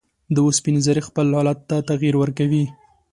د اوسپنې ذرې خپل حالت ته تغیر ورکوي.